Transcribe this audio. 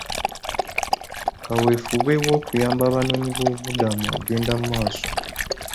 Kaweefube okuyamba abanoonyiboobubuddamu agenda maaso.